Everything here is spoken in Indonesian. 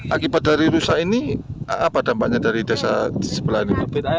akibat dari rusak ini apa dampaknya dari desa sebelah ini